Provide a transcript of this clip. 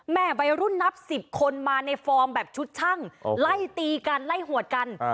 วัยรุ่นนับสิบคนมาในฟอร์มแบบชุดช่างไล่ตีกันไล่หวดกัน